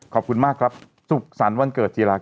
ขอบคุณมากครับสุขสรรค์วันเกิดจีรัก